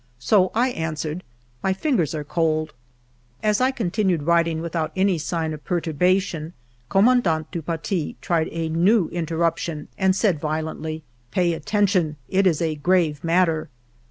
So I answered, " My fingers are cold." ALFRED DREYFUS 9 As I continued writing without any sign of perturbation. Commandant du Paty tried a new interruption and said violently :" Pay attention ; it is a grave matter."